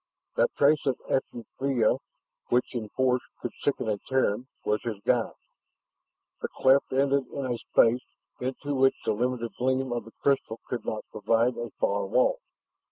That trace of effluvia which in force could sicken a Terran, was his guide. The cleft ended in a space to which the limited gleam of the crystal could not provide a far wall.